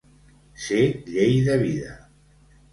Ser llei de vida.